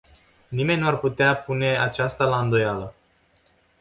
Nimeni nu ar putea pune aceasta la îndoială.